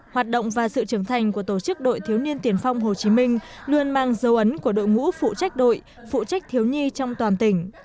hoạt động và sự trưởng thành của tổ chức đội thiếu niên tiền phong hồ chí minh luôn mang dấu ấn của đội ngũ phụ trách đội phụ trách thiếu nhi trong toàn tỉnh